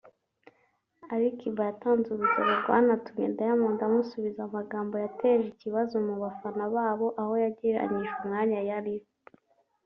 Ali Kiba yatanze urugero rwanatumye Diamond amusubiza amagambo yateje ikibazo mu bafana babo aho yagereranyije umwanya yariho